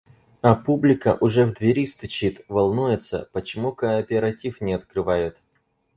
А публика уже в двери стучит, волнуется, почему кооператив не открывают.